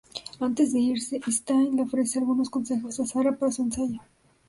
Antes de irse, Stine le ofrece algunos consejos a Sarah para su ensayo.